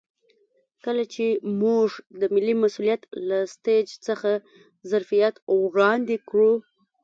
کله چې موږ د ملي مسوولیت له سټیج څخه ظرفیت وړاندې کړو.